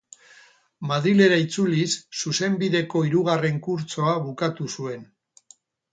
Madrilera itzuliz Zuzenbideko hirugarren kurtsoa bukatu zuen.